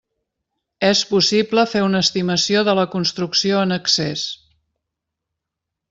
És possible fer una estimació de la construcció en excés.